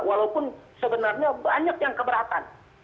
walaupun sebenarnya banyak yang keberatan